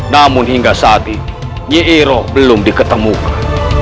namun hingga saat ini yero belum diketemukan